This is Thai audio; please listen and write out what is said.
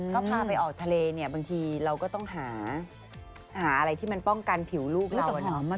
ก็พาไปออกทะเลเนี่ยบางทีเราก็ต้องหาอะไรที่มันป้องกันผิวลูกเรา